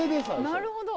なるほど。